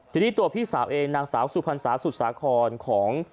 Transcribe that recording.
ทีนี้ตัวพี่สาวเองนางสาวสุพรรษาสุสาครของ